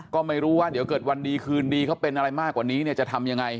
ก็ไม่รู้ว่าเดี๋ยวเกิดวันดีคืนดีเขาเป็นอะไรมากกว่านี้เนี่ยจะทำยังไง